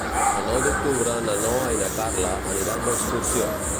El nou d'octubre na Noa i na Carla aniran d'excursió.